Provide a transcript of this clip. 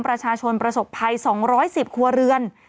ประชาชนประสบภัย๒๑๐ครัวเรือน